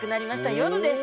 夜です。